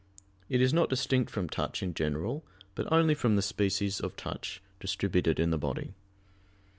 It is not distinct from touch in general, but only from the species of touch distributed in the body.